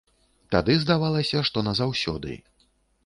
Тады здавалася, што назаўсёды.